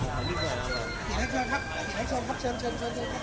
สวัสดีทุกคน